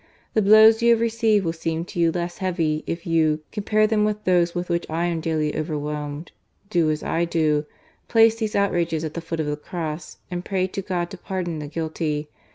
The blows you have received will seem to you less heavy if you compare them with those with which I am daily overwhelmed. Do as I do : place these outrages at the foot of the Cross, and pray to God to pardon the guilty.